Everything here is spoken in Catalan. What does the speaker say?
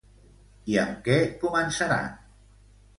I amb què començaran?